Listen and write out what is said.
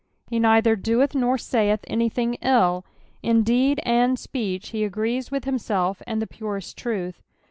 He neither doth nor ssith anything ill ; in deed and speech he agrees with himself and the purest truth.